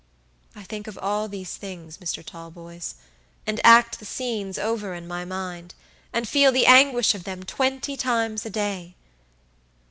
I think of all these things, Mr. Talboys, and act the scenes over in my mind, and feel the anguish of them twenty times a day.